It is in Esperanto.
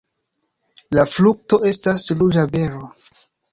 La frukto estas ruĝa bero.